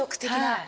はい。